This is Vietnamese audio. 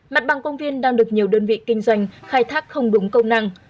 mặt bằng công viên đang được nhiều đơn vị kinh doanh khai thác không đúng công năng